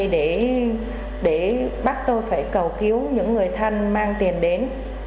để bắt tôi phải cầu cứu những người thân mang tiền đến